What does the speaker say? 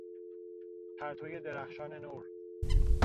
پرتوی درخشان نور